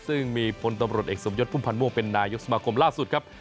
ซึ่งมีพลตำรวจเอกสมยศพุ่มพันธ์ม่วงเป็นนายกสมาคมล่าสุดครับ